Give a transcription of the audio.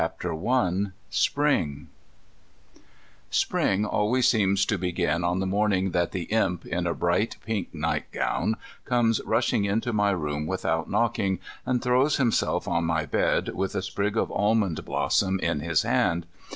Winter I SPRING Spring always seems to begin on the morning that the Imp, in a bright pink nightgown, comes rushing into my room without knocking, and throws himself on my bed, with a sprig of almond blossom in his hand.